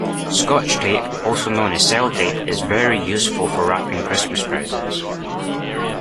Scotch tape, also known as Sellotape, is very useful for wrapping Christmas presents